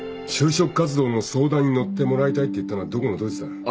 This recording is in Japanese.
就職活動の相談に乗ってもらいたいって言ったのはどこのどいつだ。